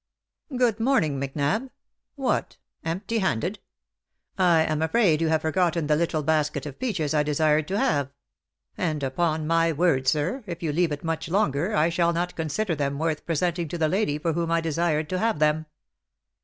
" Good morning, Macnab. What ! empty handed ? I am afraid you have forgotten the little basket of peaches I desired to have ; and upon my word, sir, if you leave it much longer, I shall not consider them worth presenting to the lady for whom I desired to have them.